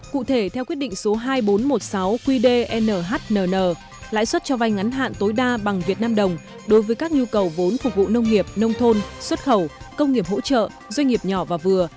cụ thể theo quyết định số hai nghìn bốn trăm một mươi sáu qd nhnn lãi suất cho vay ngắn hạn tối đa bằng việt nam đồng đối với các nhu cầu vốn phục vụ nông nghiệp nông thôn xuất khẩu công nghiệp hỗ trợ doanh nghiệp nhỏ và vừa